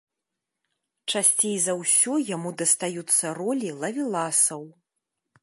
Часцей за ўсё яму дастаюцца ролі лавеласаў.